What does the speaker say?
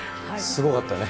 すごかったよね。